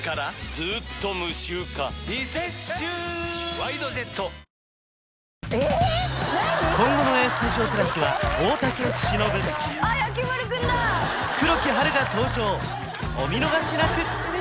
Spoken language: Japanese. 「ＷＩＤＥＪＥＴ」今後の「ＡＳＴＵＤＩＯ＋」は大竹しのぶ黒木華が登場お見逃しなく！